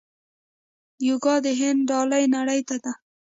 یوګا د هند ډالۍ نړۍ ته ده.